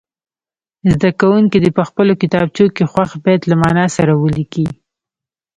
زده کوونکي دې په خپلو کتابچو کې خوښ بیت له معنا سره ولیکي.